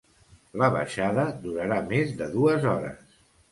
La baixada durarà més de dues hores.